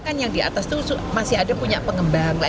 kan yang di atas itu masih ada punya pengembang